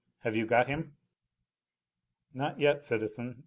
Have you got him?" "Not yet, citizen.